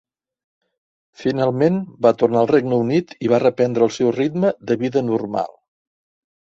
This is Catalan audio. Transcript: Finalment, va tornar al Regne Unit i va reprendre el seu ritme de vida normal.